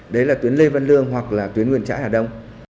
đấy là tuyến lê văn lương hoặc là tuyến nguyễn trãi hà đông